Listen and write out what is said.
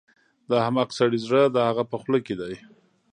د احمق سړي زړه د هغه په خوله کې دی.